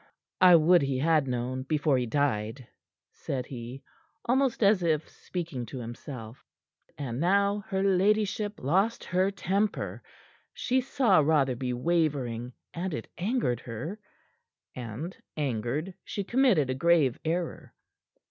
"I would he had known before he died," said he, almost as if speaking to himself. And now her ladyship lost her temper. She saw Rotherby wavering, and it angered her; and angered, she committed a grave error.